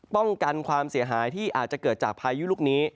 ป้องกันความเสียหายที่อาจจะเกิดจากพายุลูกนี้